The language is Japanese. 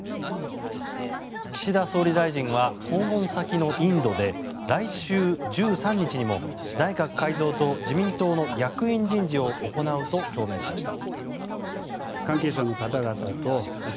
岸田総理大臣は訪問先のインドで来週１３日にも内閣改造と自民党の役員人事を行うと表明しました。